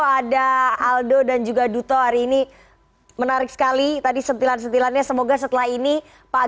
ada aldo dan juga duto hari ini menarik sekali tadi sentilan sentilannya semoga setelah ini pak